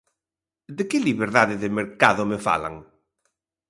¿De que liberdade de mercado me falan?